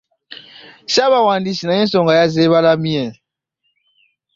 Ssaabawandiisi naye ensonga yazeebalamye.